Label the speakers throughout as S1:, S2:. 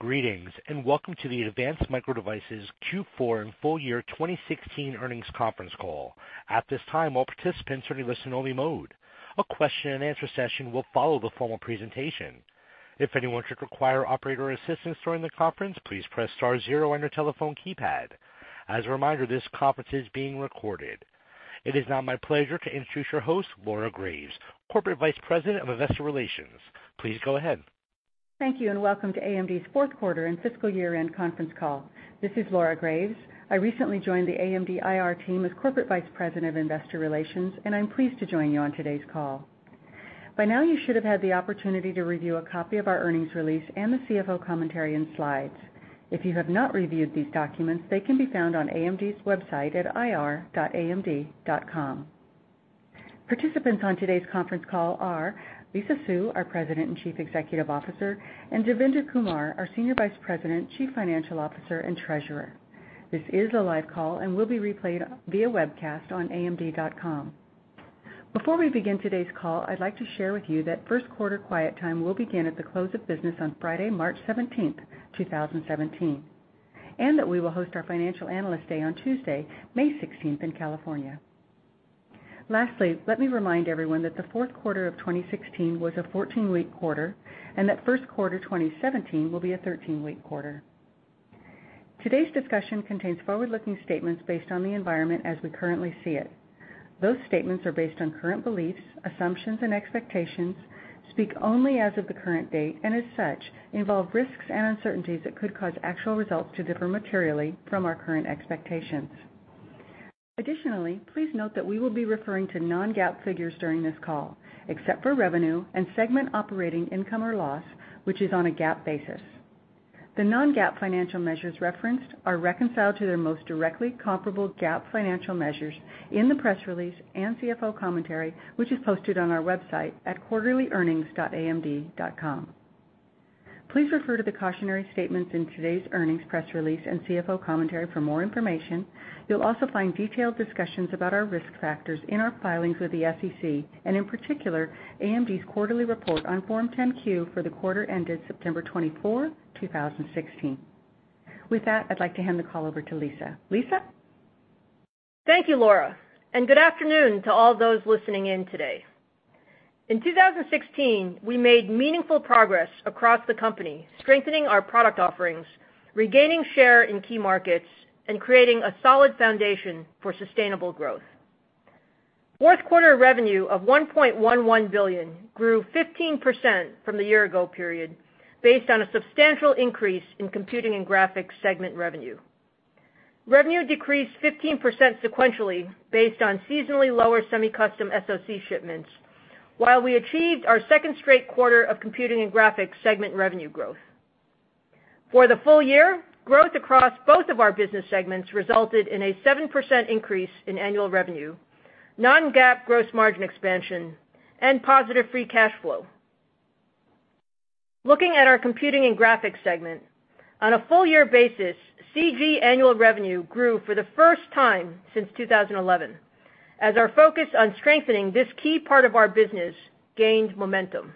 S1: Greetings, and welcome to the Advanced Micro Devices Q4 and full year 2016 earnings conference call. At this time, all participants are in listen only mode. A question and answer session will follow the formal presentation. If anyone should require operator assistance during the conference, please press star zero on your telephone keypad. As a reminder, this conference is being recorded. It is now my pleasure to introduce your host, Laura Graves, Corporate Vice President of Investor Relations. Please go ahead.
S2: Thank you, and welcome to AMD's fourth quarter and fiscal year-end conference call. This is Laura Graves. I recently joined the AMD IR team as Corporate Vice President of Investor Relations, and I'm pleased to join you on today's call. By now, you should have had the opportunity to review a copy of our earnings release and the CFO commentary and slides. If you have not reviewed these documents, they can be found on AMD's website at ir.amd.com. Participants on today's conference call are Lisa Su, our President and Chief Executive Officer, and Devinder Kumar, our Senior Vice President, Chief Financial Officer, and Treasurer. This is a live call and will be replayed via webcast on amd.com. Before we begin today's call, I'd like to share with you that first quarter quiet time will begin at the close of business on Friday, March 17th, 2017, and that we will host our Financial Analyst Day on Tuesday, May 16th in California. Lastly, let me remind everyone that the fourth quarter of 2016 was a 14-week quarter and that first quarter 2017 will be a 13-week quarter. Today's discussion contains forward-looking statements based on the environment as we currently see it. Those statements are based on current beliefs, assumptions, and expectations, speak only as of the current date, and as such, involve risks and uncertainties that could cause actual results to differ materially from our current expectations. Additionally, please note that we will be referring to non-GAAP figures during this call, except for revenue and segment operating income or loss, which is on a GAAP basis. The non-GAAP financial measures referenced are reconciled to their most directly comparable GAAP financial measures in the press release and CFO commentary, which is posted on our website at quarterlyearnings.amd.com. Please refer to the cautionary statements in today's earnings press release and CFO commentary for more information. You'll also find detailed discussions about our risk factors in our filings with the SEC and, in particular, AMD's quarterly report on Form 10-Q for the quarter ended September 24, 2016. With that, I'd like to hand the call over to Lisa. Lisa?
S3: Thank you, Laura. Good afternoon to all those listening in today. In 2016, we made meaningful progress across the company, strengthening our product offerings, regaining share in key markets, and creating a solid foundation for sustainable growth. Fourth quarter revenue of $1.11 billion grew 15% from the year ago period based on a substantial increase in computing and graphics segment revenue. Revenue decreased 15% sequentially based on seasonally lower semi-custom SoC shipments. While we achieved our second straight quarter of computing and graphics segment revenue growth. For the full year, growth across both of our business segments resulted in a 7% increase in annual revenue, non-GAAP gross margin expansion, and positive free cash flow. Looking at our computing and graphics segment. On a full year basis, CG annual revenue grew for the first time since 2011, as our focus on strengthening this key part of our business gained momentum.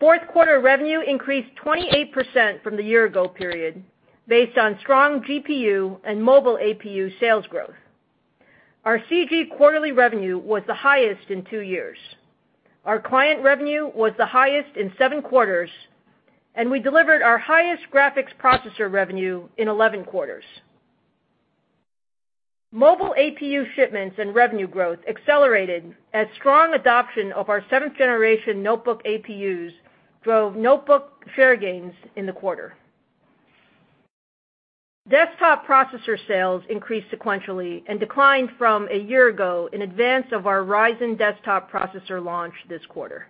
S3: Fourth quarter revenue increased 28% from the year ago period based on strong GPU and mobile APU sales growth. Our CG quarterly revenue was the highest in two years. Our client revenue was the highest in seven quarters, and we delivered our highest graphics processor revenue in 11 quarters. Mobile APU shipments and revenue growth accelerated as strong adoption of our seventh generation notebook APUs drove notebook share gains in the quarter. Desktop processor sales increased sequentially and declined from a year ago in advance of our Ryzen desktop processor launch this quarter.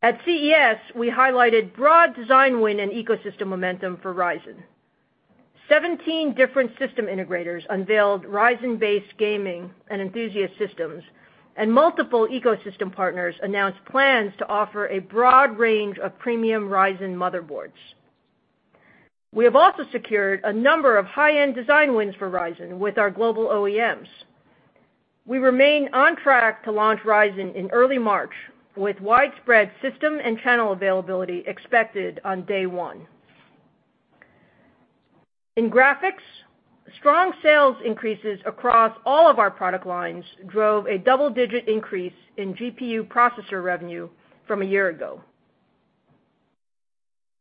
S3: At CES, we highlighted broad design win and ecosystem momentum for Ryzen. 17 different system integrators unveiled Ryzen-based gaming and enthusiast systems, and multiple ecosystem partners announced plans to offer a broad range of premium Ryzen motherboards. We have also secured a number of high-end design wins for Ryzen with our global OEMs. We remain on track to launch Ryzen in early March, with widespread system and channel availability expected on day one. In graphics, strong sales increases across all of our product lines drove a double-digit increase in GPU processor revenue from a year ago.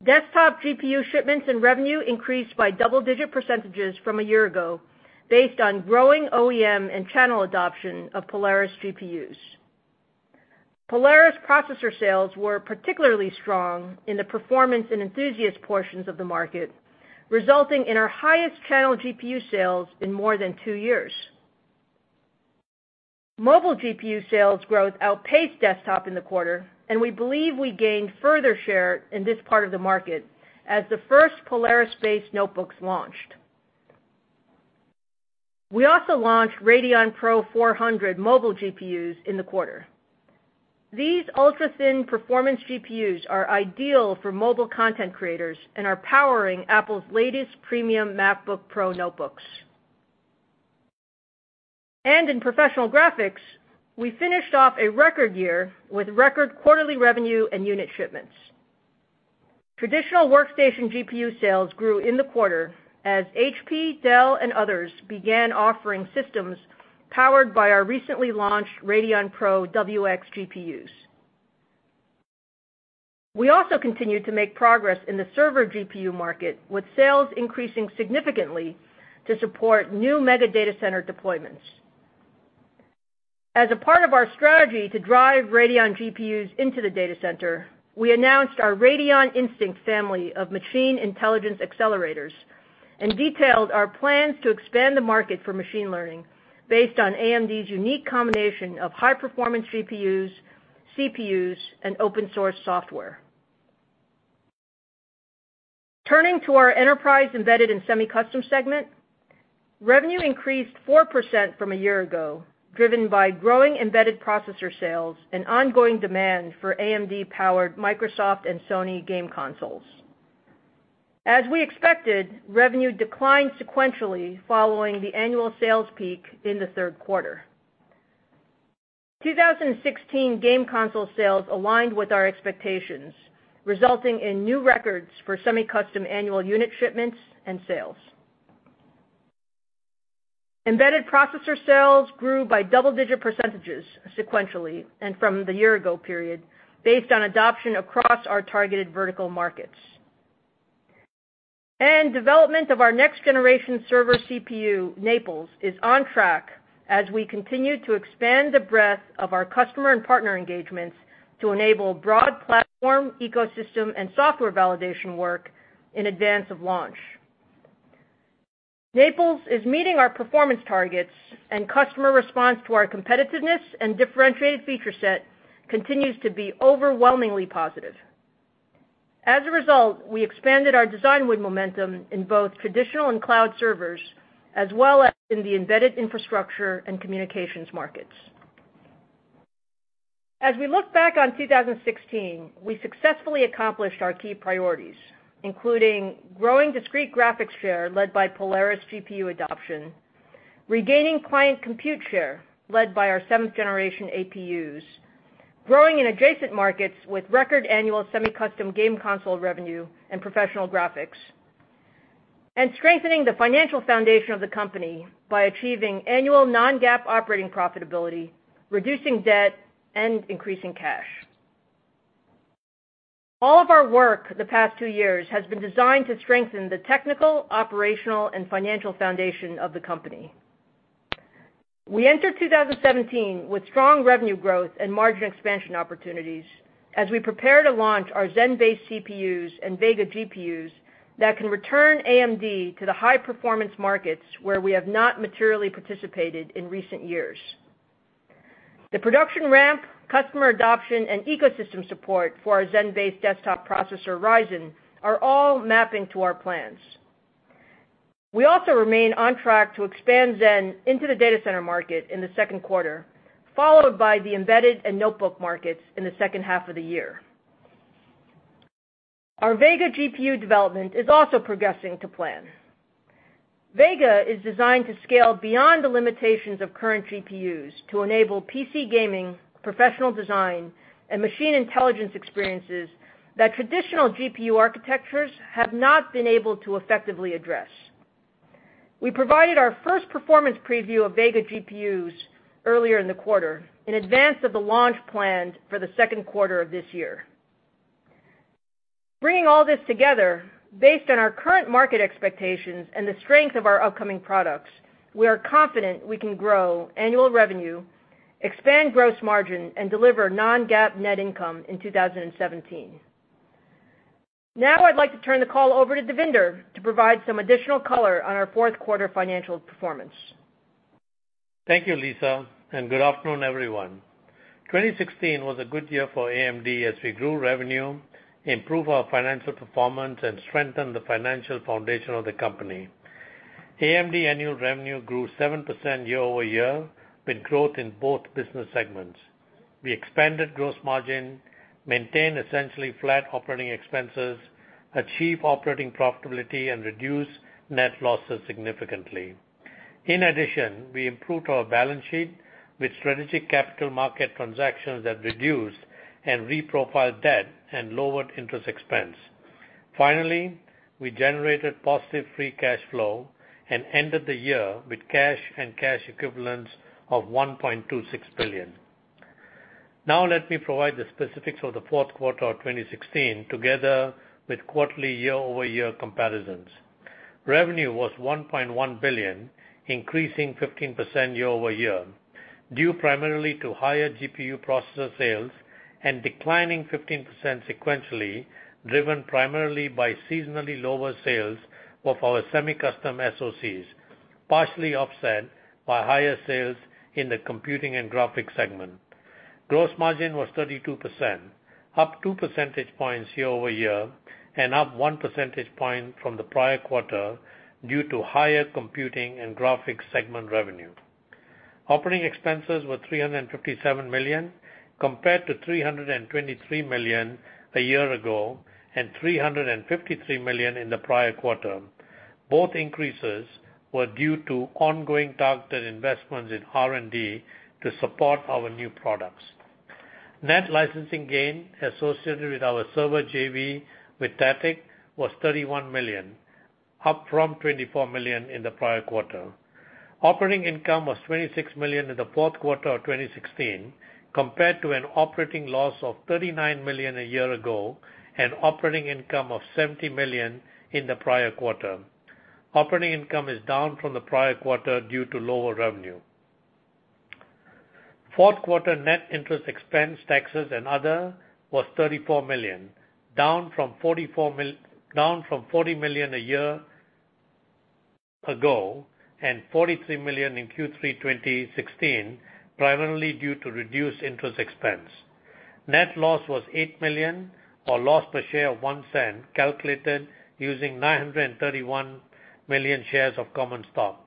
S3: Desktop GPU shipments and revenue increased by double-digit percentages from a year ago based on growing OEM and channel adoption of Polaris GPUs. Polaris processor sales were particularly strong in the performance and enthusiast portions of the market, resulting in our highest channel GPU sales in more than two years. Mobile GPU sales growth outpaced desktop in the quarter, and we believe we gained further share in this part of the market as the first Polaris-based notebooks launched. We also launched Radeon Pro 400 mobile GPUs in the quarter. These ultra-thin performance GPUs are ideal for mobile content creators and are powering Apple's latest premium MacBook Pro notebooks. In professional graphics, we finished off a record year with record quarterly revenue and unit shipments. Traditional workstation GPU sales grew in the quarter as HP, Dell, and others began offering systems powered by our recently launched Radeon Pro WX GPUs. We also continued to make progress in the server GPU market, with sales increasing significantly to support new mega data center deployments. As a part of our strategy to drive Radeon GPUs into the data center, we announced our Radeon Instinct family of machine intelligence accelerators and detailed our plans to expand the market for machine learning based on AMD's unique combination of high-performance GPUs, CPUs, and open-source software. Turning to our Enterprise Embedded and Semi-Custom segment, revenue increased 4% from a year ago, driven by growing embedded processor sales and ongoing demand for AMD-powered Microsoft and Sony game consoles. As we expected, revenue declined sequentially following the annual sales peak in the third quarter. 2016 game console sales aligned with our expectations, resulting in new records for semi-custom annual unit shipments and sales. Embedded processor sales grew by double-digit percentages sequentially and from the year-ago period based on adoption across our targeted vertical markets. Development of our next-generation server CPU, Naples, is on track as we continue to expand the breadth of our customer and partner engagements to enable broad platform ecosystem and software validation work in advance of launch. Naples is meeting our performance targets, and customer response to our competitiveness and differentiated feature set continues to be overwhelmingly positive. As a result, we expanded our design win momentum in both traditional and cloud servers, as well as in the embedded infrastructure and communications markets. As we look back on 2016, we successfully accomplished our key priorities, including growing discrete graphics share led by Polaris GPU adoption, regaining client compute share led by our 7th-generation APUs, growing in adjacent markets with record annual semi-custom game console revenue and professional graphics, and strengthening the financial foundation of the company by achieving annual non-GAAP operating profitability, reducing debt, and increasing cash. All of our work the past two years has been designed to strengthen the technical, operational, and financial foundation of the company. We enter 2017 with strong revenue growth and margin expansion opportunities as we prepare to launch our Zen-based CPUs and Vega GPUs that can return AMD to the high-performance markets where we have not materially participated in recent years. The production ramp, customer adoption, and ecosystem support for our Zen-based desktop processor, Ryzen, are all mapping to our plans. We also remain on track to expand Zen into the data center market in the second quarter, followed by the embedded and notebook markets in the second half of the year. Our Vega GPU development is also progressing to plan. Vega is designed to scale beyond the limitations of current GPUs to enable PC gaming, professional design, and machine intelligence experiences that traditional GPU architectures have not been able to effectively address. We provided our first performance preview of Vega GPUs earlier in the quarter in advance of the launch planned for the second quarter of this year. Bringing all this together, based on our current market expectations and the strength of our upcoming products, we are confident we can grow annual revenue, expand gross margin, and deliver non-GAAP net income in 2017. Now I'd like to turn the call over to Devinder to provide some additional color on our fourth quarter financial performance.
S4: Thank you, Lisa, and good afternoon, everyone. 2016 was a good year for AMD as we grew revenue, improved our financial performance, and strengthened the financial foundation of the company. AMD annual revenue grew 7% year-over-year with growth in both business segments. We expanded gross margin, maintained essentially flat operating expenses, achieved operating profitability, and reduced net losses significantly. In addition, we improved our balance sheet with strategic capital market transactions that reduced and reprofiled debt and lowered interest expense. Finally, we generated positive free cash flow and ended the year with cash and cash equivalents of $1.26 billion. Now let me provide the specifics for the fourth quarter of 2016, together with quarterly year-over-year comparisons. Revenue was $1.1 billion, increasing 15% year-over-year, due primarily to higher GPU processor sales and declining 15% sequentially, driven primarily by seasonally lower sales of our semi-custom SoCs, partially offset by higher sales in the Computing and graphics segment. Gross margin was 32%, up two percentage points year-over-year and up one percentage point from the prior quarter due to higher Computing and graphics segment revenue. Operating expenses were $357 million compared to $323 million a year ago and $353 million in the prior quarter. Both increases were due to ongoing targeted investments in R&D to support our new products. Net licensing gain associated with our server JV with THATIC was $31 million, up from $24 million in the prior quarter. Operating income was $26 million in the fourth quarter of 2016 compared to an operating loss of $39 million a year ago and operating income of $70 million in the prior quarter. Operating income is down from the prior quarter due to lower revenue. Fourth-quarter net interest expense, taxes, and other was $34 million, down from $40 million a year ago and $43 million in Q3 2016, primarily due to reduced interest expense. Net loss was $8 million, or loss per share of $0.01 calculated using 931 million shares of common stock.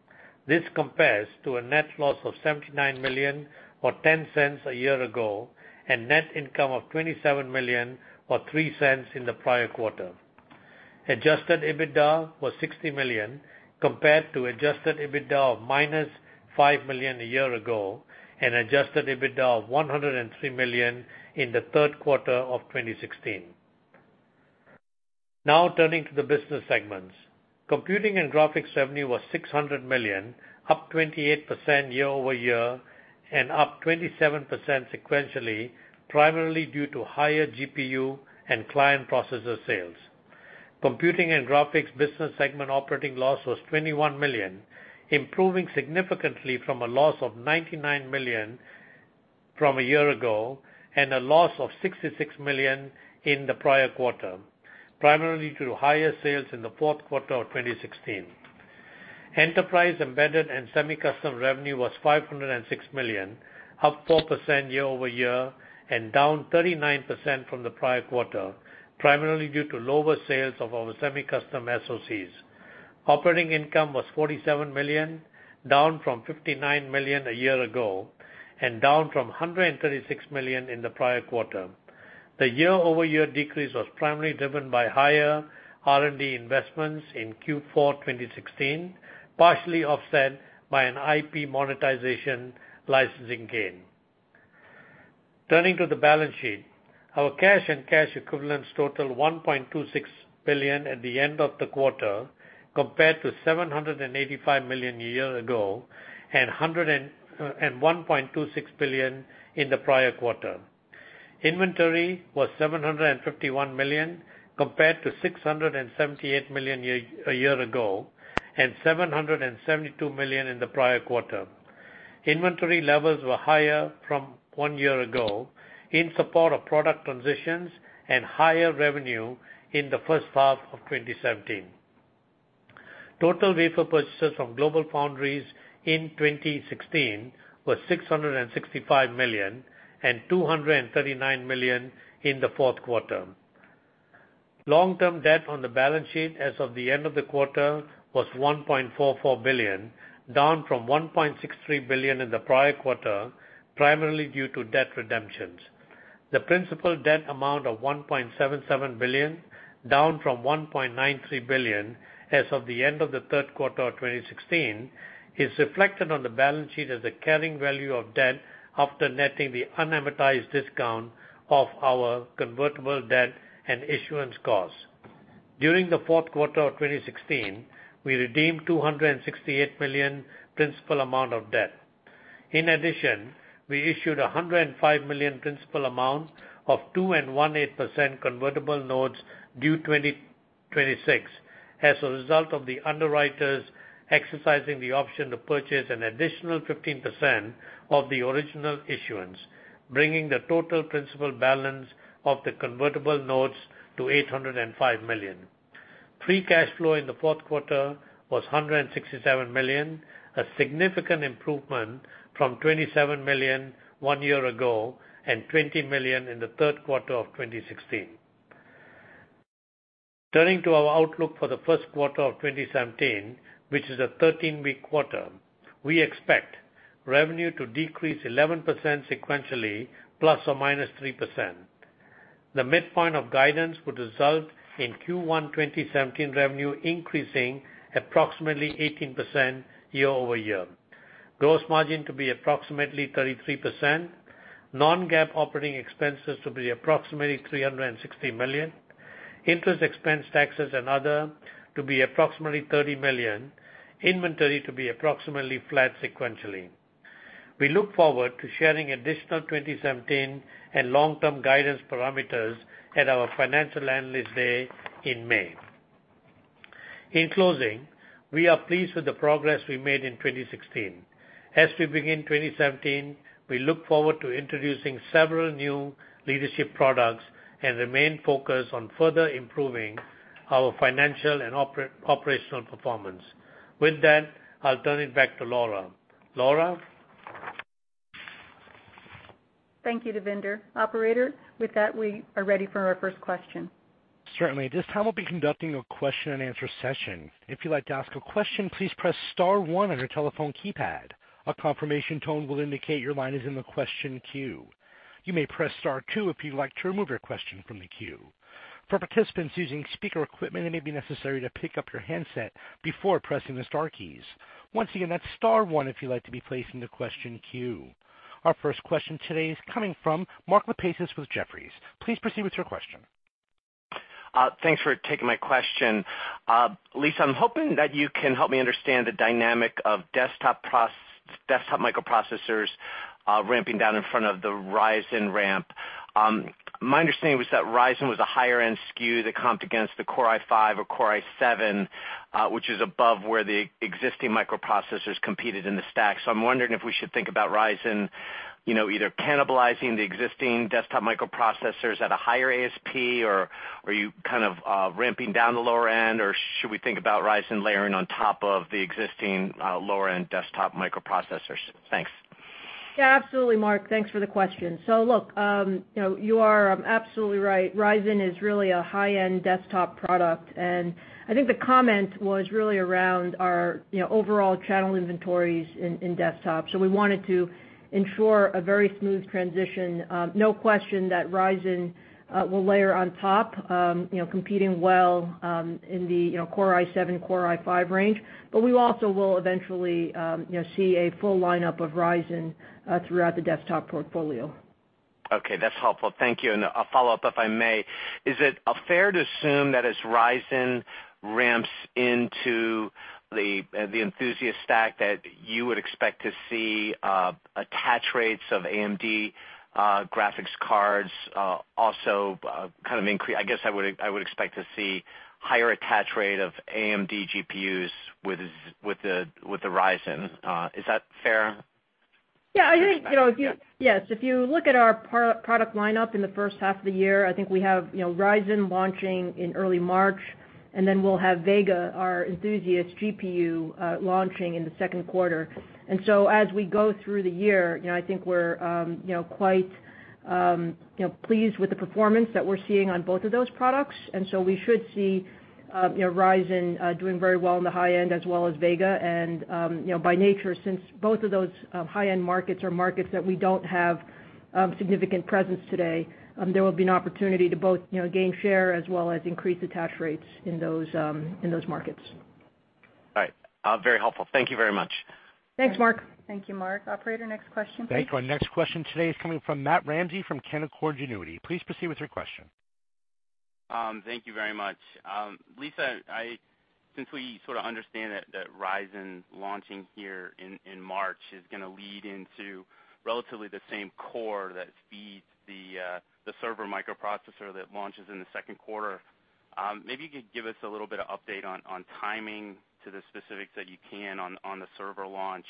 S4: This compares to a net loss of $79 million or $0.10 a year ago and net income of $27 million or $0.03 in the prior quarter. Adjusted EBITDA was $60 million compared to adjusted EBITDA of minus $5 million a year ago and adjusted EBITDA of $103 million in the third quarter of 2016. Now turning to the business segments. Computing and graphics revenue was $600 million, up 28% year-over-year and up 27% sequentially, primarily due to higher GPU and client processor sales. Computing and graphics business segment operating loss was $21 million, improving significantly from a loss of $99 million from a year ago and a loss of $66 million in the prior quarter, primarily due to higher sales in the fourth quarter of 2016. Enterprise embedded and semi-custom revenue was $506 million, up 4% year-over-year and down 39% from the prior quarter, primarily due to lower sales of our semi-custom SoCs. Operating income was $47 million, down from $59 million a year ago and down from $136 million in the prior quarter. The year-over-year decrease was primarily driven by higher R&D investments in Q4 2016, partially offset by an IP monetization licensing gain. Turning to the balance sheet. Our cash and cash equivalents totaled $1.26 billion at the end of the quarter, compared to $785 million a year ago and $1.26 billion in the prior quarter. Inventory was $751 million, compared to $678 million a year ago and $772 million in the prior quarter. Inventory levels were higher from one year ago in support of product transitions and higher revenue in the first half of 2017. Total wafer purchases from GlobalFoundries in 2016 were $665 million and $239 million in the fourth quarter. Long-term debt on the balance sheet as of the end of the quarter was $1.44 billion, down from $1.63 billion in the prior quarter, primarily due to debt redemptions. The principal debt amount of $1.77 billion, down from $1.93 billion as of the end of the third quarter of 2016, is reflected on the balance sheet as the carrying value of debt after netting the unamortized discount of our convertible debt and issuance cost. During the fourth quarter of 2016, we redeemed $268 million principal amount of debt. In addition, we issued a $105 million principal amount of 2.18% convertible notes due 2026 as a result of the underwriters exercising the option to purchase an additional 15% of the original issuance, bringing the total principal balance of the convertible notes to $805 million. Free cash flow in the fourth quarter was $167 million, a significant improvement from $27 million one year ago and $20 million in the third quarter of 2016. Turning to our outlook for the first quarter of 2017, which is a 13-week quarter. We expect revenue to decrease 11% sequentially, ±3%. The midpoint of guidance would result in Q1 2017 revenue increasing approximately 18% year-over-year. Gross margin to be approximately 33%, non-GAAP operating expenses to be approximately $360 million, interest expense, taxes, and other to be approximately $30 million, inventory to be approximately flat sequentially. We look forward to sharing additional 2017 and long-term guidance parameters at our Financial Analyst Day in May. In closing, we are pleased with the progress we made in 2016. As we begin 2017, we look forward to introducing several new leadership products and remain focused on further improving our financial and operational performance. With that, I'll turn it back to Laura. Laura?
S2: Thank you, Devinder. Operator, with that, we are ready for our first question.
S1: Certainly. This time, we'll be conducting a question and answer session. If you'd like to ask a question, please press star one on your telephone keypad. A confirmation tone will indicate your line is in the question queue. You may press star two if you'd like to remove your question from the queue. For participants using speaker equipment, it may be necessary to pick up your handset before pressing the star keys. Once again, that's star one if you'd like to be placed in the question queue. Our first question today is coming from Mark Lipacis with Jefferies. Please proceed with your question.
S5: Thanks for taking my question. Lisa, I'm hoping that you can help me understand the dynamic of desktop microprocessors ramping down in front of the Ryzen ramp. My understanding was that Ryzen was a higher-end SKU that comped against the Core i5 or Core i7, which is above where the existing microprocessors competed in the stack. I'm wondering if we should think about Ryzen, either cannibalizing the existing desktop microprocessors at a higher ASP, or are you ramping down the lower end? Should we think about Ryzen layering on top of the existing lower-end desktop microprocessors? Thanks.
S3: Yeah, absolutely Mark. Thanks for the question. Look, you are absolutely right. Ryzen is really a high-end desktop product, and I think the comment was really around our overall channel inventories in desktops. We wanted to ensure a very smooth transition. No question that Ryzen will layer on top, competing well in the Core i7, Core i5 range. We also will eventually see a full lineup of Ryzen throughout the desktop portfolio.
S5: Okay. That's helpful. Thank you. A follow-up, if I may. Is it fair to assume that as Ryzen ramps into the enthusiast stack, that you would expect to see attach rates of AMD graphics cards also kind of increase? I guess I would expect to see higher attach rate of AMD GPUs with the Ryzen. Is that fair?
S3: Yeah. I think, yes. If you look at our product lineup in the first half of the year, I think we have Ryzen launching in early March, then we'll have Vega, our enthusiast GPU, launching in the second quarter. As we go through the year, I think we're quite pleased with the performance that we're seeing on both of those products. We should see Ryzen doing very well in the high-end as well as Vega. By nature, since both of those high-end markets are markets that we don't have significant presence today, there will be an opportunity to both gain share as well as increase attach rates in those markets.
S5: All right. Very helpful. Thank you very much.
S3: Thanks, Mark.
S2: Thank you, Mark. Operator, next question, please.
S1: Thank you. Our next question today is coming from Matt Ramsay from Canaccord Genuity. Please proceed with your question.
S6: Thank you very much. Lisa, since we sort of understand that Ryzen launching here in March is going to lead into relatively the same core that feeds the server microprocessor that launches in the second quarter, maybe you could give us a little bit of update on timing to the specifics that you can on the server launch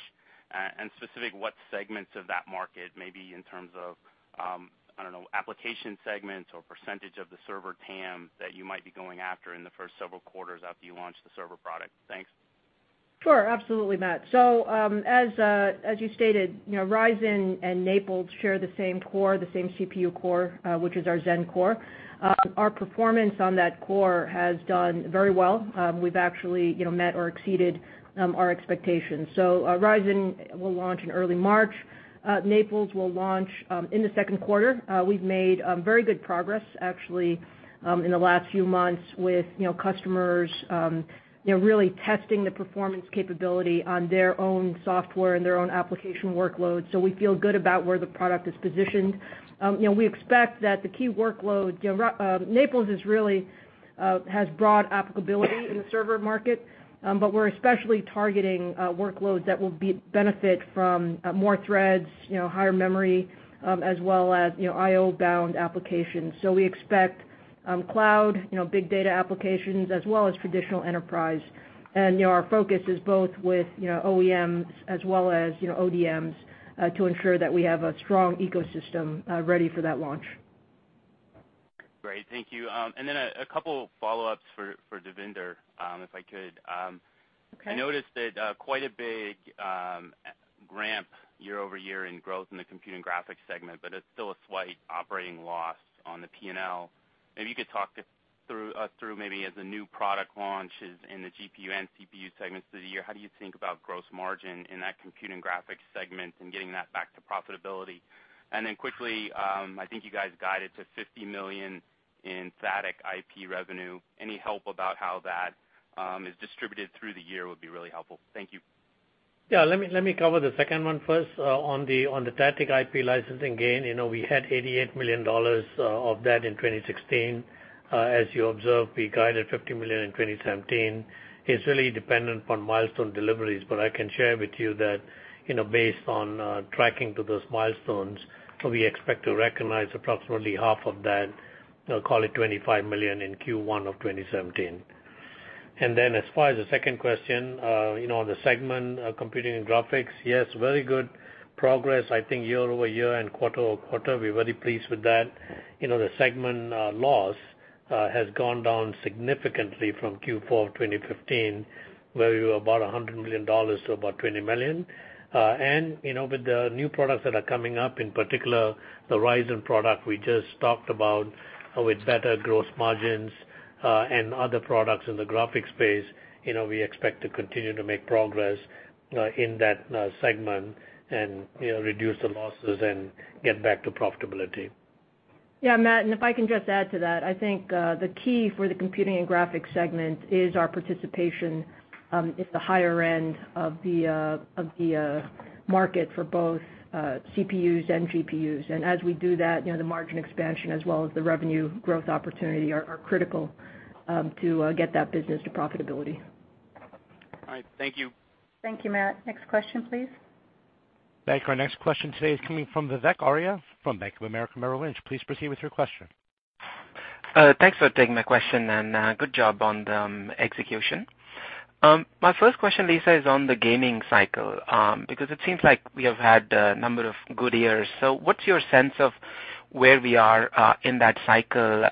S6: and specific what segments of that market may be in terms of, I don't know, application segments or percentage of the server TAM that you might be going after in the first several quarters after you launch the server product. Thanks.
S3: Sure. Absolutely, Matt. As you stated, Ryzen and Naples share the same core, the same CPU core, which is our Zen core. Our performance on that core has done very well. We've actually met or exceeded our expectations. Ryzen will launch in early March. Naples will launch in the second quarter. We've made very good progress, actually, in the last few months with customers really testing the performance capability on their own software and their own application workload. We feel good about where the product is positioned. We expect that the key workload Naples has broad applicability in the server market, but we're especially targeting workloads that will benefit from more threads, higher memory, as well as IO-bound applications. We expect cloud, big data applications as well as traditional enterprise. Our focus is both with OEMs as well as ODMs to ensure that we have a strong ecosystem ready for that launch.
S6: Great. Thank you. Then a couple follow-ups for Devinder, if I could.
S3: Okay.
S6: I noticed that quite a big ramp year-over-year in growth in the computing and graphic segment, but it's still a slight operating loss on the P&L. Maybe you could talk us through maybe as the new product launches in the GPU and CPU segments of the year, how do you think about gross margin in that computing graphics segment and getting that back to profitability? Then quickly, I think you guys guided to $50 million in static IP revenue. Any help about how that is distributed through the year would be really helpful. Thank you.
S4: Let me cover the second one first. On the THATIC IP licensing gain, we had $88 million of that in 2016. As you observed, we guided $50 million in 2017. It's really dependent upon milestone deliveries. I can share with you that based on tracking to those milestones, we expect to recognize approximately half of that, call it $25 million, in Q1 of 2017. Then as far as the second question, the segment computing and graphics, yes, very good progress, I think year-over-year and quarter-over-quarter. We're very pleased with that. The segment loss has gone down significantly from Q4 2015, where we were about $100 million to about $20 million. With the new products that are coming up, in particular the Ryzen product we just talked about, with better gross margins and other products in the graphics space, we expect to continue to make progress in that segment and reduce the losses and get back to profitability.
S3: Yeah, Matt, if I can just add to that, I think the key for the computing and graphics segment is our participation at the higher end of the market for both CPUs and GPUs. As we do that, the margin expansion as well as the revenue growth opportunity are critical to get that business to profitability.
S6: All right. Thank you.
S2: Thank you, Matt. Next question, please.
S1: Thank you. Our next question today is coming from Vivek Arya from Bank of America Merrill Lynch. Please proceed with your question.
S7: Thanks for taking my question. Good job on the execution. My first question, Lisa, is on the gaming cycle, because it seems like we have had a number of good years. What's your sense of where we are in that cycle?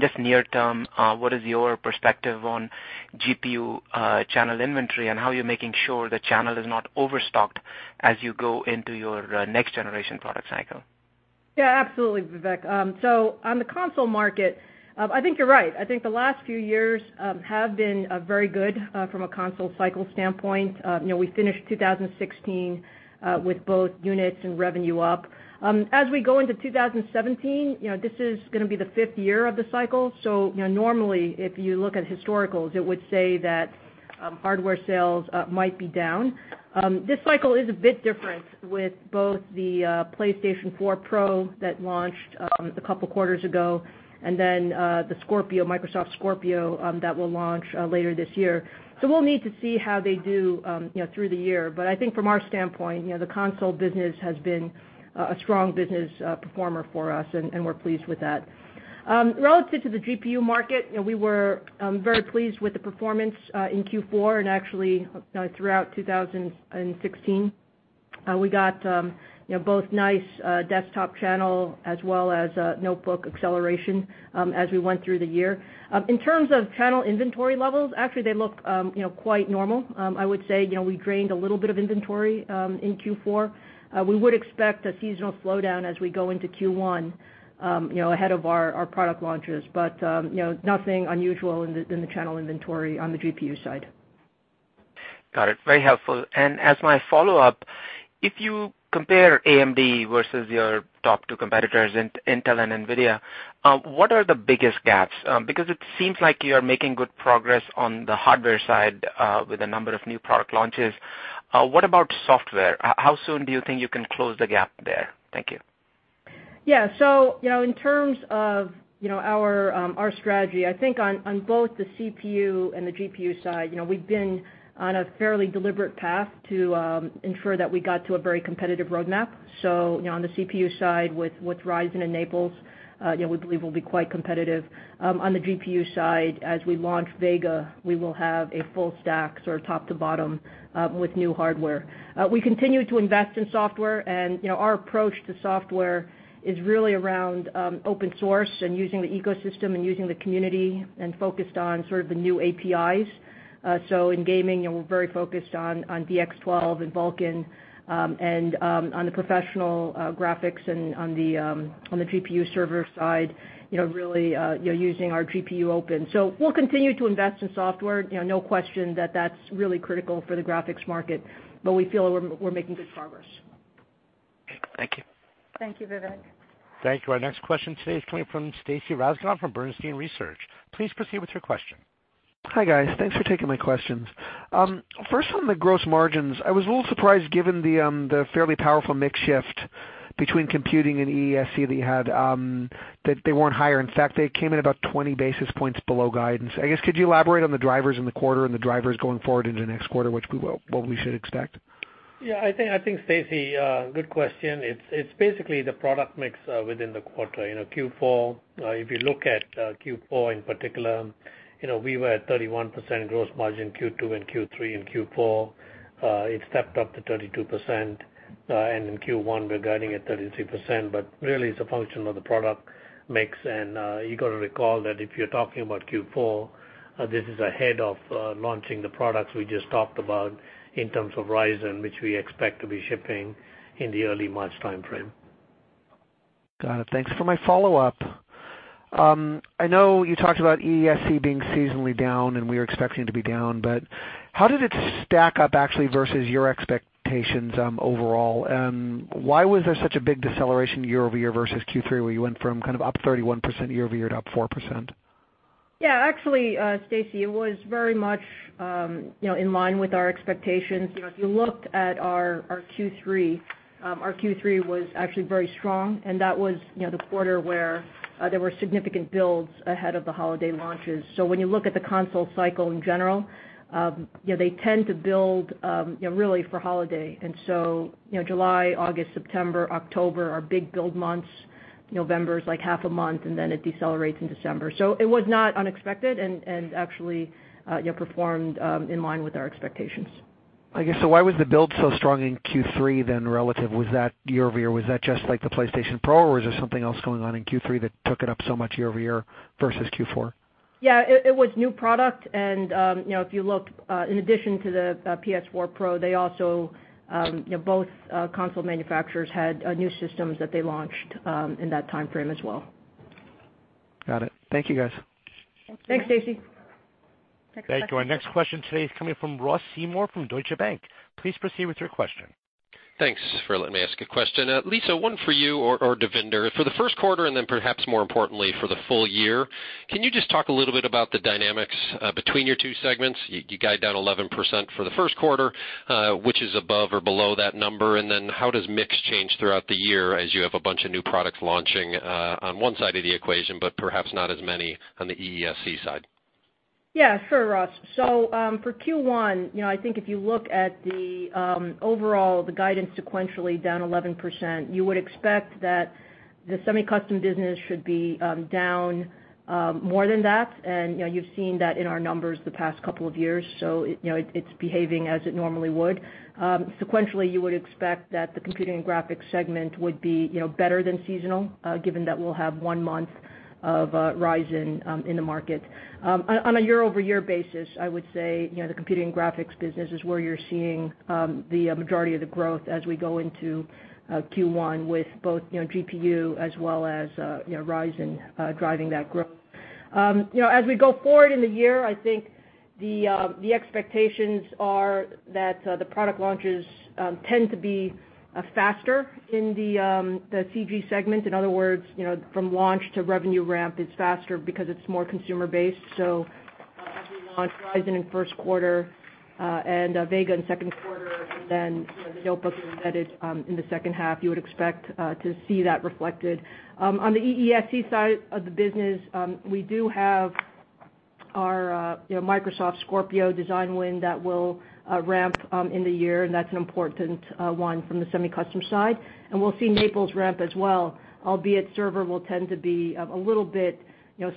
S7: Just near term, what is your perspective on GPU channel inventory and how you're making sure the channel is not overstocked as you go into your next generation product cycle?
S3: Absolutely, Vivek. On the console market, I think you're right. I think the last few years have been very good from a console cycle standpoint. We finished 2016 with both units and revenue up. As we go into 2017, this is going to be the fifth year of the cycle. Normally, if you look at historicals, it would say that hardware sales might be down. This cycle is a bit different with both the PlayStation 4 Pro that launched a couple of quarters ago and then the Scorpio, Microsoft Scorpio, that will launch later this year. We'll need to see how they do through the year. I think from our standpoint, the console business has been a strong business performer for us, and we're pleased with that. Relative to the GPU market, we were very pleased with the performance in Q4 and actually throughout 2016. We got both nice desktop channel as well as notebook acceleration as we went through the year. In terms of channel inventory levels, actually they look quite normal. I would say, we drained a little bit of inventory in Q4. We would expect a seasonal slowdown as we go into Q1 ahead of our product launches. Nothing unusual in the channel inventory on the GPU side.
S7: Got it. Very helpful. As my follow-up, if you compare AMD versus your top two competitors, Intel and NVIDIA, what are the biggest gaps? Because it seems like you're making good progress on the hardware side with a number of new product launches. What about software? How soon do you think you can close the gap there? Thank you.
S3: Yeah. In terms of our strategy, I think on both the CPU and the GPU side, we've been on a fairly deliberate path to ensure that we got to a very competitive roadmap. On the CPU side with Ryzen and Naples, we believe we'll be quite competitive. On the GPU side, as we launch Vega, we will have a full stack, sort of top to bottom, with new hardware. We continue to invest in software, and our approach to software is really around open source and using the ecosystem and using the community and focused on sort of the new APIs. In gaming, we're very focused on DX12 and Vulkan, and on the professional graphics and on the GPU server side, really using our GPUOpen. We'll continue to invest in software. No question that that's really critical for the graphics market, but we feel we're making good progress.
S7: Okay. Thank you.
S2: Thank you, Vivek.
S1: Thank you. Our next question today is coming from Stacy Rasgon from Bernstein Research. Please proceed with your question.
S8: Hi, guys. Thanks for taking my questions. First on the gross margins, I was a little surprised given the fairly powerful mix shift between computing and EESC that you had, that they weren't higher. In fact, they came in about 20 basis points below guidance. I guess, could you elaborate on the drivers in the quarter and the drivers going forward into the next quarter, what we should expect?
S4: Yeah, I think, Stacy, good question. It's basically the product mix within the quarter. If you look at Q4 in particular, we were at 31% gross margin Q2 and Q3. In Q4, it stepped up to 32%, and in Q1, we're guiding at 33%, but really it's a function of the product mix. You got to recall that if you're talking about Q4, this is ahead of launching the products we just talked about in terms of Ryzen, which we expect to be shipping in the early March timeframe.
S8: Got it. Thanks. For my follow-up, I know you talked about EESC being seasonally down, and we are expecting it to be down, but how did it stack up actually versus your expectations overall? Why was there such a big deceleration year-over-year versus Q3, where you went from kind of up 31% year-over-year to up 4%?
S3: Yeah. Actually, Stacy, it was very much in line with our expectations. If you looked at our Q3, our Q3 was actually very strong, and that was the quarter where there were significant builds ahead of the holiday launches. When you look at the console cycle in general, they tend to build really for holiday. July, August, September, October are big build months. November is like half a month, and then it decelerates in December. It was not unexpected and actually performed in line with our expectations.
S8: I guess, why was the build so strong in Q3 then relative? Was that year-over-year? Was that just like the PlayStation Pro, or was there something else going on in Q3 that took it up so much year-over-year versus Q4?
S3: Yeah. It was new product, and if you look, in addition to the PS4 Pro, both console manufacturers had new systems that they launched in that timeframe as well.
S8: Got it. Thank you guys.
S3: Thank you.
S4: Thanks, Stacy.
S1: Thank you. Our next question today is coming from Ross Seymore from Deutsche Bank. Please proceed with your question.
S9: Thanks for letting me ask a question. Lisa, one for you or Devinder. For the first quarter, perhaps more importantly for the full year, can you just talk a little bit about the dynamics between your two segments? You guide down 11% for the first quarter, which is above or below that number. How does mix change throughout the year as you have a bunch of new products launching on one side of the equation, but perhaps not as many on the EESC side?
S3: Yeah, sure, Ross. For Q1, I think if you look at the overall, the guidance sequentially down 11%, you would expect that the semi-custom business should be down more than that. You've seen that in our numbers the past couple of years, so it's behaving as it normally would. Sequentially, you would expect that the computing and graphics segment would be better than seasonal, given that we'll have one month of Ryzen in the market. On a year-over-year basis, I would say, the computing and graphics business is where you're seeing the majority of the growth as we go into Q1 with both GPU as well as Ryzen driving that growth. As we go forward in the year, I think the expectations are that the product launches tend to be faster in the CG segment. In other words, from launch to revenue ramp, it's faster because it's more consumer-based. As we launch Ryzen in the first quarter and Vega in the second quarter, the notebook and embedded in the second half, you would expect to see that reflected. On the EESC side of the business, we do have our Microsoft Scorpio design win that will ramp in the year, and that's an important one from the semi-custom side. We'll see Naples ramp as well, albeit server will tend to be a little bit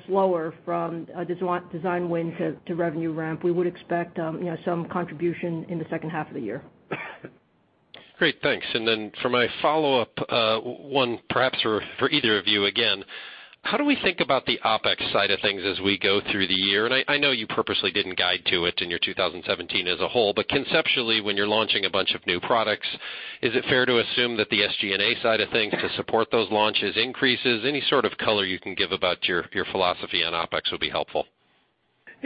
S3: slower from a design win to revenue ramp. We would expect some contribution in the second half of the year.
S9: Great, thanks. For my follow-up, one perhaps for either of you again, how do we think about the OpEx side of things as we go through the year? I know you purposely didn't guide to it in your 2017 as a whole, but conceptually, when you're launching a bunch of new products, is it fair to assume that the SG&A side of things to support those launches increases? Any sort of color you can give about your philosophy on OpEx would be helpful.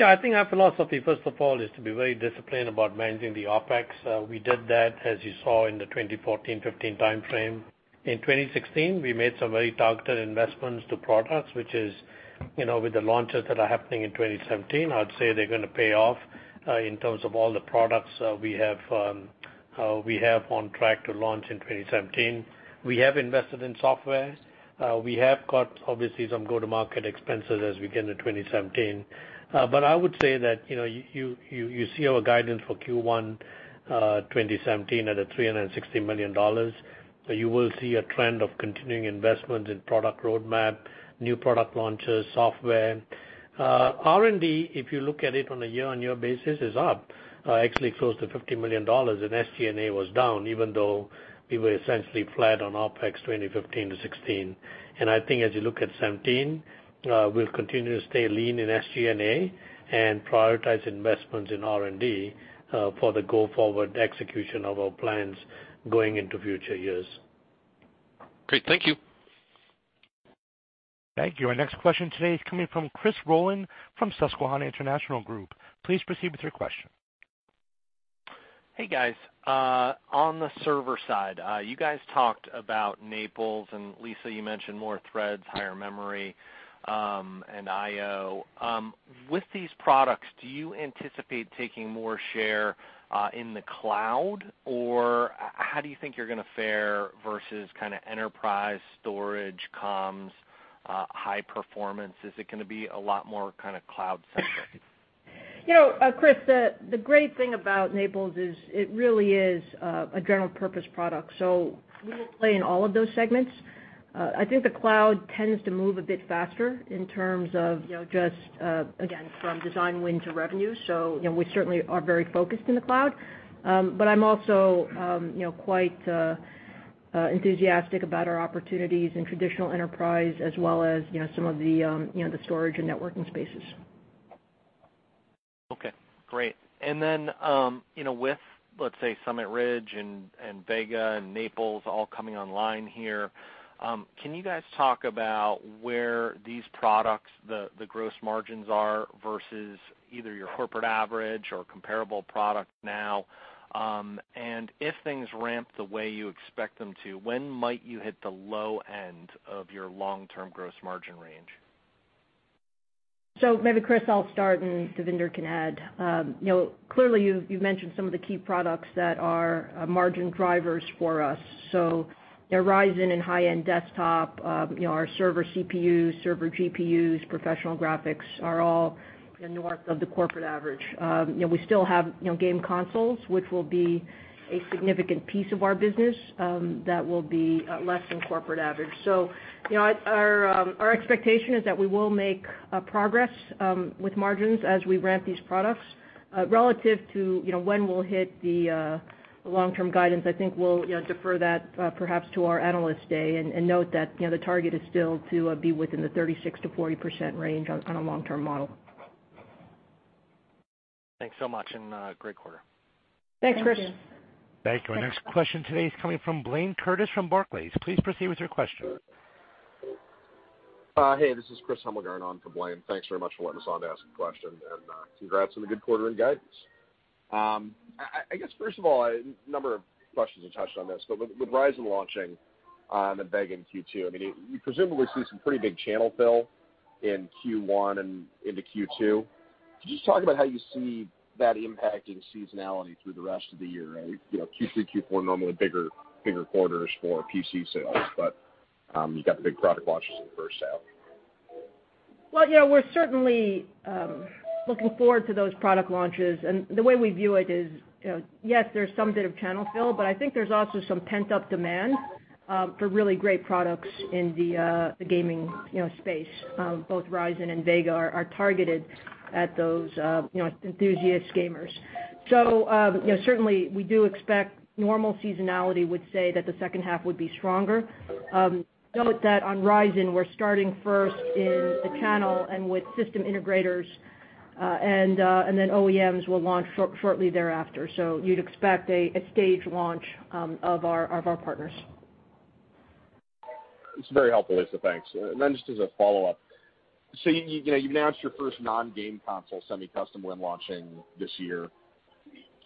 S4: I think our philosophy, first of all, is to be very disciplined about managing the OpEx. We did that, as you saw in the 2014, 2015 timeframe. In 2016, we made some very targeted investments to products, which is with the launches that are happening in 2017. I'd say they're going to pay off in terms of all the products we have on track to launch in 2017. We have invested in software. We have got, obviously, some go-to-market expenses as we get into 2017. I would say that, you see our guidance for Q1 2017 at $360 million. You will see a trend of continuing investment in product roadmap, new product launches, software. R&D, if you look at it on a year-over-year basis, is up, actually close to $50 million, and SG&A was down, even though we were essentially flat on OpEx 2015 to 2016. I think as you look at 2017, we'll continue to stay lean in SG&A and prioritize investments in R&D, for the go-forward execution of our plans going into future years.
S9: Great. Thank you.
S1: Thank you. Our next question today is coming from Chris Rolland from Susquehanna International Group. Please proceed with your question.
S10: Hey, guys. On the server side, you guys talked about Naples. Lisa, you mentioned more threads, higher memory, and IO. With these products, do you anticipate taking more share in the cloud, or how do you think you're going to fare versus enterprise storage comms, high performance? Is it going to be a lot more cloud-centric?
S3: Chris, the great thing about Naples is it really is a general purpose product. We will play in all of those segments. I think the cloud tends to move a bit faster in terms of just, again, from design win to revenue. We certainly are very focused in the cloud. I'm also quite enthusiastic about our opportunities in traditional enterprise as well as some of the storage and networking spaces.
S10: Okay, great. With, let's say, Summit Ridge and Vega and Naples all coming online here, can you guys talk about where these products, the gross margins are versus either your corporate average or comparable product now? If things ramp the way you expect them to, when might you hit the low end of your long-term gross margin range?
S3: Maybe, Chris, I'll start, and Devinder can add. Clearly, you've mentioned some of the key products that are margin drivers for us. Ryzen and high-end desktop, our server CPUs, server GPUs, professional graphics are all north of the corporate average. We still have game consoles, which will be a significant piece of our business that will be less than corporate average. Our expectation is that we will make progress with margins as we ramp these products. Relative to when we'll hit the long-term guidance, I think we'll defer that perhaps to our Analyst Day and note that the target is still to be within the 36%-40% range on a long-term model.
S10: Thanks so much, and great quarter.
S3: Thanks, Chris.
S2: Thank you.
S1: Thank you. Our next question today is coming from Blayne Curtis from Barclays. Please proceed with your question.
S11: Hey, this is Chris Hummel going on for Blayne. Thanks very much for letting us on to ask a question, and congrats on the good quarter and guidance. I guess, first of all, a number of questions have touched on this. With Ryzen launching and Vega in Q2, you presumably see some pretty big channel fill in Q1 and into Q2. Could you just talk about how you see that impacting seasonality through the rest of the year? Q3, Q4 are normally bigger quarters for PC sales, you've got the big product launches in the first half.
S3: Well, we're certainly looking forward to those product launches. The way we view it is, yes, there's some bit of channel fill, I think there's also some pent-up demand for really great products in the gaming space. Both Ryzen and Vega are targeted at those enthusiast gamers. Certainly, we do expect normal seasonality would say that the second half would be stronger. Note that on Ryzen, we're starting first in the channel and with system integrators, OEMs will launch shortly thereafter. You'd expect a staged launch of our partners.
S11: It's very helpful, Lisa. Thanks. Just as a follow-up, you've announced your first non-game console semi-custom win launching this year.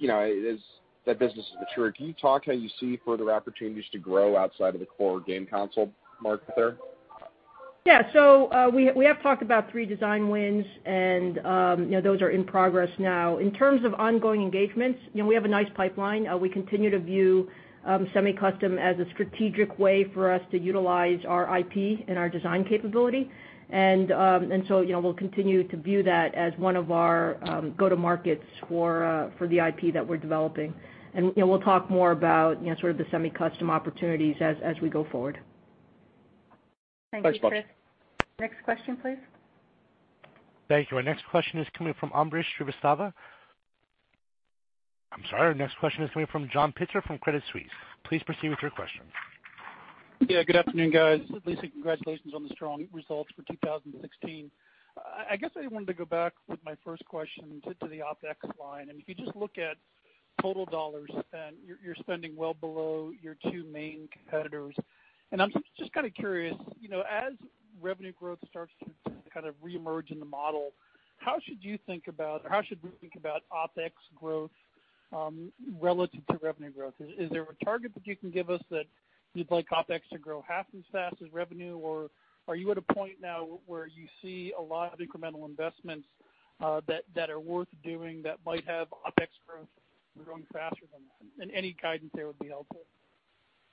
S11: As that business has matured, can you talk how you see further opportunities to grow outside of the core game console market there?
S3: Yeah. We have talked about three design wins, and those are in progress now. In terms of ongoing engagements, we have a nice pipeline. We continue to view semi-custom as a strategic way for us to utilize our IP and our design capability. We'll continue to view that as one of our go-to markets for the IP that we're developing. We'll talk more about sort of the semi-custom opportunities as we go forward. Thanks.
S2: Thank you, Chris. Next question, please.
S1: Thank you. Our next question is coming from Ambrish Srivastava. I'm sorry. Our next question is coming from John Pitzer from Credit Suisse. Please proceed with your question.
S12: Yeah, good afternoon, guys. Lisa, congratulations on the strong results for 2016. I guess I wanted to go back with my first question to the OpEx line. If you just look at total $ spent, you're spending well below your two main competitors. I'm just kind of curious, as revenue growth starts to kind of reemerge in the model, how should we think about OpEx growth relative to revenue growth? Is there a target that you can give us that you'd like OpEx to grow half as fast as revenue, or are you at a point now where you see a lot of incremental investments that are worth doing that might have OpEx growth growing faster than that? Any guidance there would be helpful.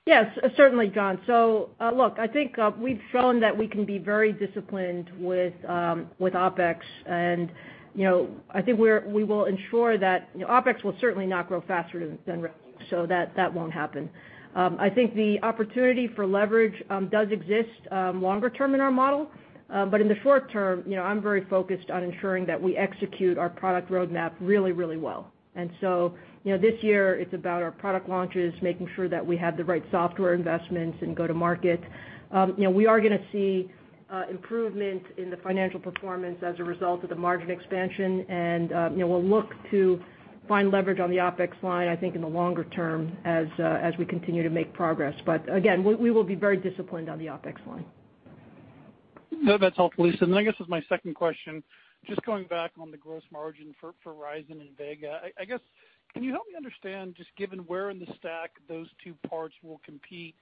S3: Yes, certainly, John. Look, I think we've shown that we can be very disciplined with OpEx. I think we will ensure that OpEx will certainly not grow faster than revenue, that won't happen. I think the opportunity for leverage does exist longer term in our model. In the short term, I'm very focused on ensuring that we execute our product roadmap really, really well. This year, it's about our product launches, making sure that we have the right software investments and go to market. We are going to see improvement in the financial performance as a result of the margin expansion. We'll look to find leverage on the OpEx line, I think, in the longer term as we continue to make progress. Again, we will be very disciplined on the OpEx line.
S12: That's helpful, Lisa. I guess as my second question, just going back on the gross margin for Ryzen and Vega, I guess, can you help me understand, just given where in the stack those two parts will compete,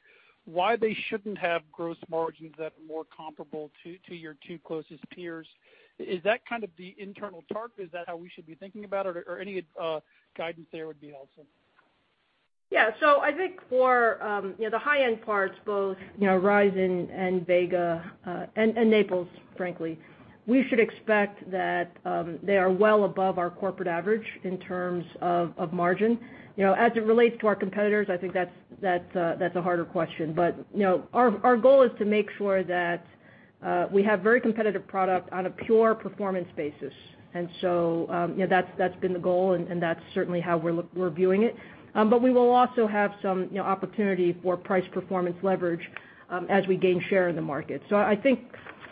S12: why they shouldn't have gross margins that are more comparable to your two closest peers? Is that kind of the internal target? Is that how we should be thinking about it? Any guidance there would be helpful.
S3: Yeah. I think for the high-end parts, both Ryzen and Vega, and Naples, frankly, we should expect that they are well above our corporate average in terms of margin. As it relates to our competitors, I think that's a harder question. Our goal is to make sure that we have very competitive product on a pure performance basis. That's been the goal, and that's certainly how we're viewing it. We will also have some opportunity for price performance leverage as we gain share in the market. I think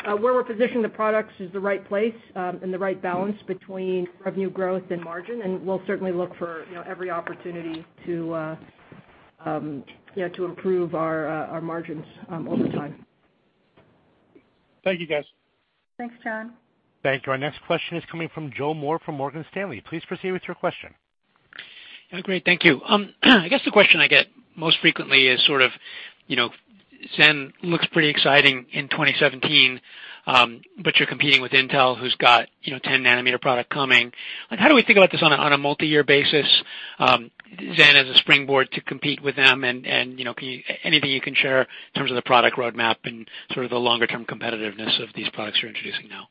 S3: where we're positioning the products is the right place and the right balance between revenue growth and margin, and we'll certainly look for every opportunity to improve our margins over time.
S12: Thank you, guys.
S3: Thanks, John.
S1: Thank you. Our next question is coming from Joe Moore from Morgan Stanley. Please proceed with your question.
S13: Great. Thank you. I guess the question I get most frequently is sort of Zen looks pretty exciting in 2017, but you're competing with Intel, who's got 10 nanometer product coming. How do we think about this on a multi-year basis, Zen as a springboard to compete with them, and anything you can share in terms of the product roadmap and sort of the longer-term competitiveness of these products you're introducing now?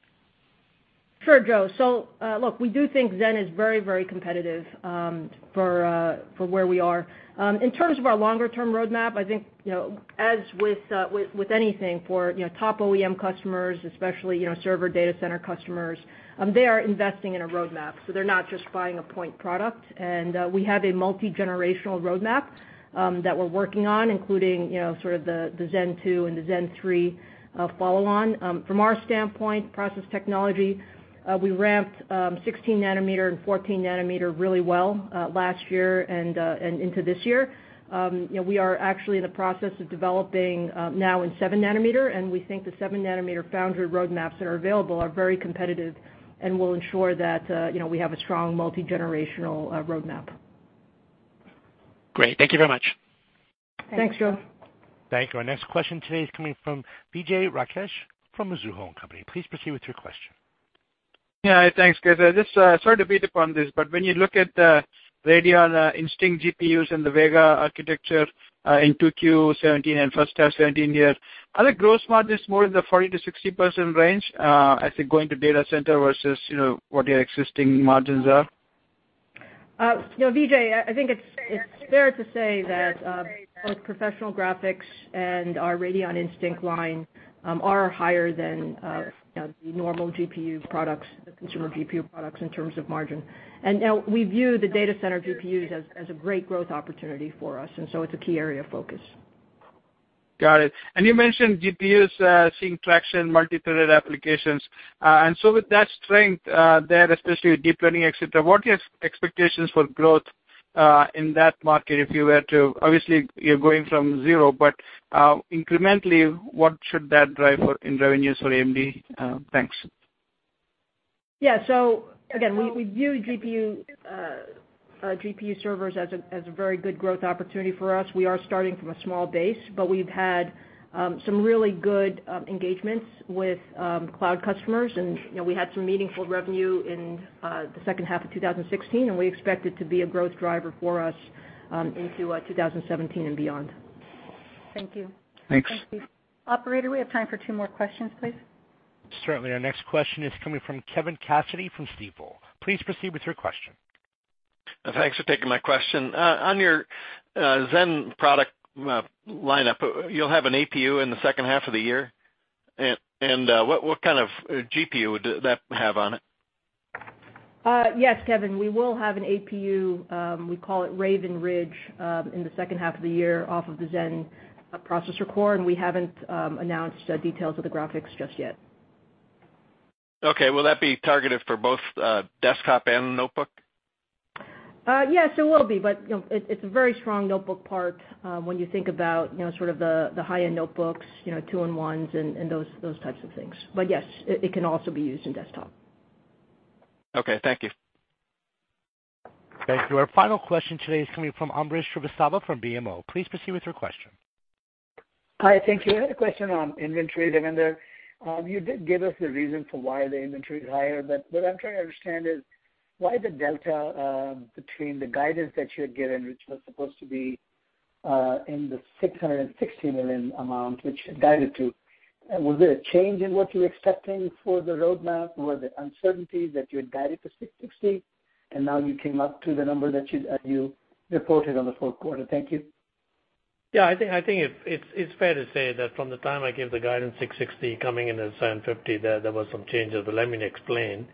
S3: Sure, Joe. Look, we do think Zen is very, very competitive for where we are. In terms of our longer term roadmap, I think, as with anything for top OEM customers, especially server data center customers, they are investing in a roadmap, so they're not just buying a point product. We have a multi-generational roadmap that we're working on, including sort of the Zen 2 and the Zen 3 follow-on. From our standpoint, process technology, we ramped 16 nanometer and 14 nanometer really well last year and into this year. We are actually in the process of developing now in seven nanometer, and we think the seven nanometer foundry roadmaps that are available are very competitive and will ensure that we have a strong multi-generational roadmap.
S13: Great. Thank you very much.
S3: Thanks, Joe.
S1: Thank you. Our next question today is coming from Vijay Rakesh from Mizuho and Company. Please proceed with your question.
S14: Yeah. Thanks, guys. Just sorry to beat up on this, but when you look at the Radeon Instinct GPUs and the Vega architecture in 2Q 2017 and first half 2017 here, are the gross margins more in the 40%-60% range as they go into data center versus what your existing margins are?
S3: Vijay, I think it's fair to say that both professional graphics and our Radeon Instinct line are higher than the normal GPU products, the consumer GPU products in terms of margin. And we view the data center GPUs as a great growth opportunity for us, and so it's a key area of focus.
S14: Got it. You mentioned GPUs seeing traction, multi-threaded applications. With that strength there, especially with deep learning, et cetera, what are your expectations for growth in that market if you were to. Obviously, you're going from zero, but incrementally, what should that drive in revenues for AMD? Thanks.
S3: Yeah. Again, we view GPU servers as a very good growth opportunity for us. We are starting from a small base. We've had some really good engagements with cloud customers, and we had some meaningful revenue in the second half of 2016, and we expect it to be a growth driver for us into 2017 and beyond.
S14: Thank you.
S3: Thanks.
S1: Thank you.
S3: Operator, we have time for two more questions, please.
S1: Certainly. Our next question is coming from Kevin Cassidy from Stifel. Please proceed with your question.
S15: Thanks for taking my question. On your Zen product lineup, you'll have an APU in the second half of the year? What kind of GPU would that have on it?
S3: Yes, Kevin, we will have an APU, we call it Raven Ridge, in the second half of the year off of the Zen processor core, and we haven't announced details of the graphics just yet.
S15: Okay. Will that be targeted for both desktop and notebook?
S3: Yes, it will be. It's a very strong notebook part when you think about sort of the high-end notebooks, two-in-ones and those types of things. Yes, it can also be used in desktop.
S15: Okay. Thank you.
S1: Thank you. Our final question today is coming from Ambrish Srivastava from BMO. Please proceed with your question.
S16: Hi. Thank you. I had a question on inventory, Devinder. You did give us the reason for why the inventory is higher. What I'm trying to understand is why the delta between the guidance that you had given, which was supposed to be in the $660 million amount, which guided to. Was there a change in what you're expecting for the roadmap? Were the uncertainties that you had guided for $660 million, and now you came up to the number that you reported on the fourth quarter? Thank you.
S4: I think it's fair to say that from the time I gave the guidance $660 million coming into $750 million, there was some changes. Let me explain.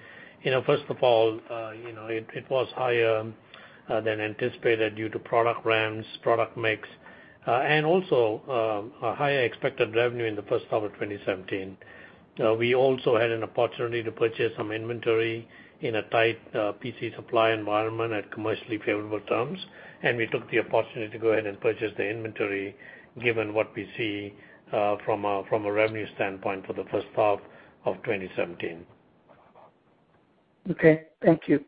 S4: First of all it was higher than anticipated due to product ramps, product mix, and also a higher expected revenue in the first half of 2017. We also had an opportunity to purchase some inventory in a tight PC supply environment at commercially favorable terms. We took the opportunity to go ahead and purchase the inventory given what we see from a revenue standpoint for the first half of 2017.
S16: Okay. Thank you.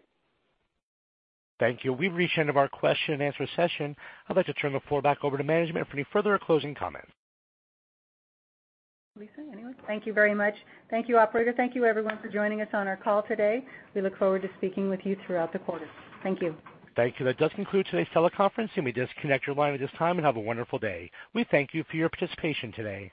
S1: Thank you. We've reached the end of our question and answer session. I'd like to turn the floor back over to management for any further closing comments.
S3: Lisa, anyway. Thank you very much. Thank you, operator. Thank you, everyone, for joining us on our call today. We look forward to speaking with you throughout the quarter. Thank you.
S1: Thank you. That does conclude today's teleconference. You may disconnect your line at this time, and have a wonderful day. We thank you for your participation today.